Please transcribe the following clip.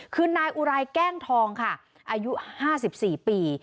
คือนายอุรายแกล้งทองค่ะอายุ๕๔ปี